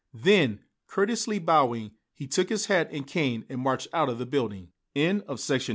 Then, courteously bowing, he took his hat and cane and marched out of the building. CHAPTER XXV.